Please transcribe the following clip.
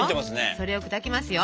それを砕きますよ。